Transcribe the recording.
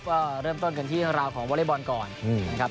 ว่าเริ่มต้นกันที่ราวของวอเรย์บอลก่อนอืมนะครับ